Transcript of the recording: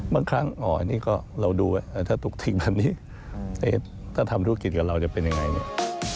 บางครั้งอ๋อนี่ก็เราดูถ้าถูกทิ้งแบบนี้ถ้าทำธุรกิจกับเราจะเป็นยังไงเนี่ย